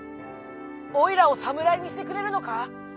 「オイラをさむらいにしてくれるのか？